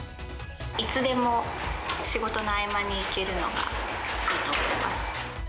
いつでも仕事の合間に行けるのがいいと思います。